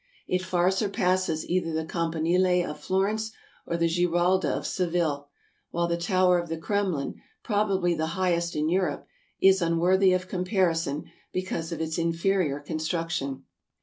It far surpasses either the Campanile of Florence or the Giralda of Seville, while the tower of the Kremlin, probably the highest in Europe, is unworthy of comparison, because of its inferior construction.